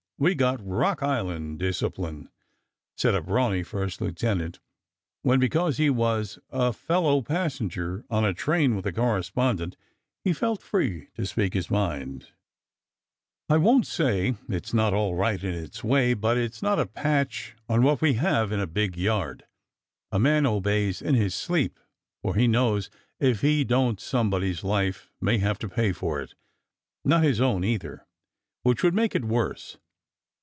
We got Rock Island discipline," said a brawny first lieutenant, when, because he was a fellow passenger on a train with a correspondent, he felt free to speak his mind. "I won't say it's not all right in its way, but it's not a patch on what we have in a big yard. A man obeys in his sleep, for he knows if he don't somebody's life may have to pay for it not his own, either, which would make it worse.